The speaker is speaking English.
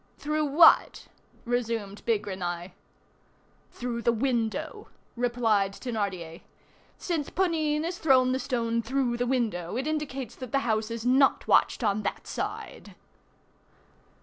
"Through what?" resumed Bigrenaille. "Through the window," replied Thénardier. "Since Ponine has thrown the stone through the window, it indicates that the house is not watched on that side."